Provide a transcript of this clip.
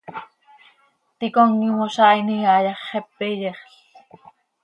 ticom imozaainim iha yax, xepe iyexl.